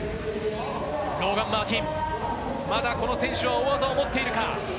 ローガン・マーティン、まだこの選手、大技を持っているか？